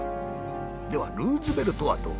ではルーズベルトはどうか？